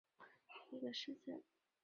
勒格灵是德国巴伐利亚州的一个市镇。